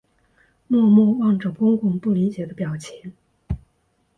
默默望着公公不理解的表情